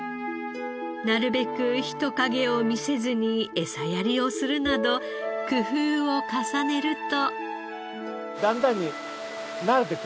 なるべく人影を見せずに餌やりをするなど工夫を重ねると。